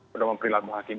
pendorongan perilaku hakim